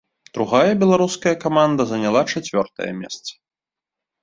Другая беларуская каманда заняла чацвёртае месца.